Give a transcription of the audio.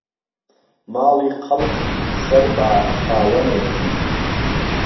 ماڵی قهڵب سهر با خاوهنێتی